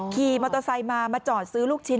ขี่มอเตอร์ไซค์มามาจอดซื้อลูกชิ้น